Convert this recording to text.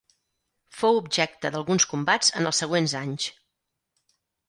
Fou objecte d'alguns combats en els següents anys.